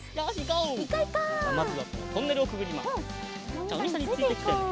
じゃあおにいさんについてきてね。